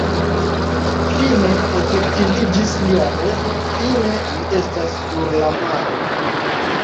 Fine efektiviĝis lia revo, fine li estas sur la maro!